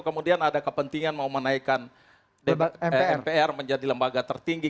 kemudian ada kepentingan mau menaikkan mpr menjadi lembaga tertinggi